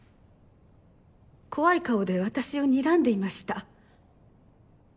怖い顔で私を睨んでいました。